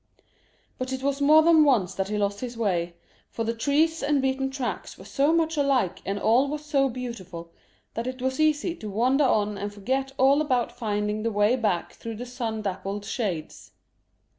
But it was more than once that he lost his way, for the trees and beaten tracks were so much alike and all was so beautiful that it was easy to wander on and forget all about finding the way back through the sun dappled shades.